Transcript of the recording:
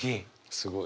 すごいよ。